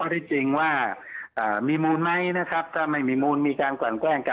ตัวตอบต้นที่จริงค่ะ